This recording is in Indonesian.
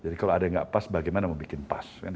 jadi kalau ada yang nggak pas bagaimana membuat pas